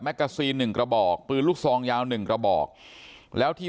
กาซีนหนึ่งกระบอกปืนลูกซองยาวหนึ่งกระบอกแล้วที่